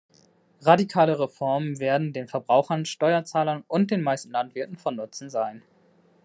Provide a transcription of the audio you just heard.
Radikale Reformen werden den Verbrauchern, Steuerzahlern und den meisten Landwirten von Nutzen sein.